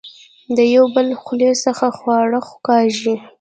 د يو بل خولې څخه خواړۀ کاږي